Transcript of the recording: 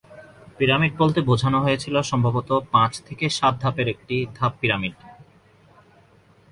Pyramid বলতে বোঝানো হয়েছিল সম্ভবত পাঁচ থেকে সাত ধাপের একটি ধাপ পিরামিড।